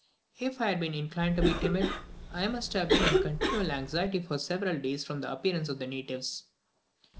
If I had been inclined to be timid, I must have been in continual anxiety for several days from the appearance of the natives.